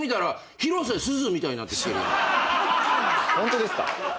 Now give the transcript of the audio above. ホントですか？